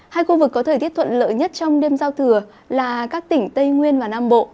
hai khu vực có thời tiết thuận lợi nhất trong đêm giao thừa là các tỉnh tây nguyên và nam bộ